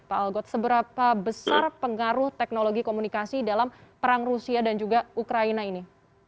pak algot seberapa besar pengaruh teknologi komunikasi dalam perang rusia dan juga ukraina ini